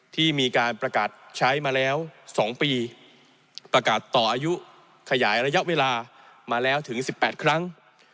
ที่มีการประกาศใช้มาแล้ว๒ปีประกาศต่ออายุขยายระยะเวลามาแล้วถึง๑๘ครั้ง